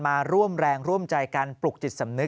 มาร่วมแรงร่วมใจกันปลุกจิตสำนึก